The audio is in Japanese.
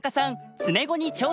詰碁に挑戦です。